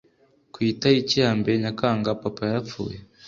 Ku itariki ya mbere Nyakanga papa yarapfuye